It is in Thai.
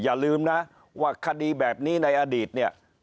อย่าลืมนะว่าคดีแบบนี้ในอดีตเนี่ย